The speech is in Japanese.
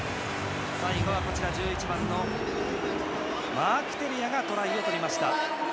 最後は１１番のマーク・テレアがトライを取りました。